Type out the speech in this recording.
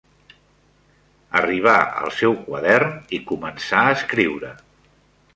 Arribar al seu quadern i començar a escriure.